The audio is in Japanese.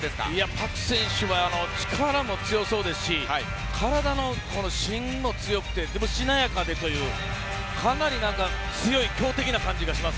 パク選手は力も強そうですし体の芯も強くてでもしなやかでというかなり強敵な感じがします。